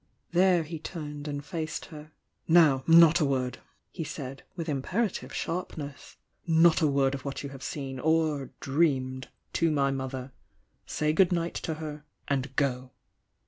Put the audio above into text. There he turned and faced her. "Now, not a word!" he said, with imperative sharpness. "Not a word of what you have seen, or — dreamed — to my mother! Say good night to her, and go!"